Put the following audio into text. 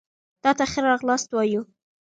تاته ښه راغلاست وايو